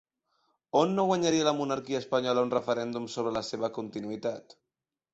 On no guanyaria la monarquia espanyola un referèndum sobre la seva continuïtat?